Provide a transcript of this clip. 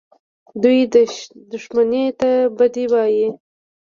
دوى دښمني ته بدي وايي.